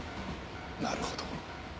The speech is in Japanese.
なるほど。